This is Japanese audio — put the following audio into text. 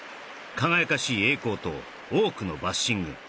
輝かしい栄光と多くのバッシング